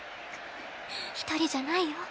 一人じゃないよ。